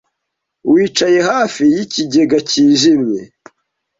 Wicaye hafi yikigega cyijimye